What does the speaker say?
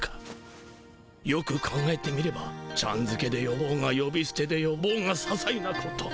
よく考えてみればちゃんづけでよぼうがよびすてでよぼうがささいなこと。